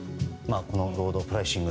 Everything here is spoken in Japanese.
ロードプライシング